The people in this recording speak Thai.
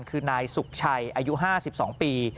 คือนายสุขชัยอายุ๕๒ปี